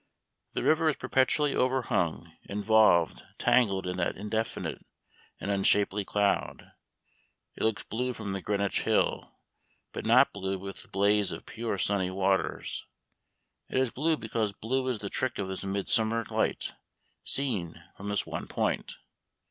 The river is perpetually overhung, involved, tangled, in that indefinite and unshapely cloud. It looks blue from the Greenwich hill, but not blue with the blue of pure sunny waters; it is blue because blue is the trick of this midsummer light seen from this one point.